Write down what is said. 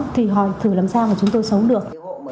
thì hỏi thử làm sao mà chúng tôi sống được